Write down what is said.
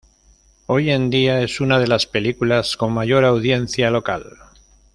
Hoy en día es una de las películas con mayor audiencia local.